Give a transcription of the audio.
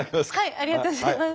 ありがとうございます。